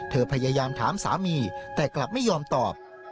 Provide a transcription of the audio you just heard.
พยายามถามสามีแต่กลับไม่ยอมตอบ